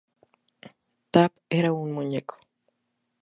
Tap era un muñeco.